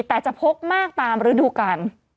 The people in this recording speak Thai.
แต่จะพกมากตามฤดูกาล